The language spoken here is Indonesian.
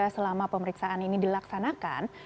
selama pemeriksaan ini dilaksanakan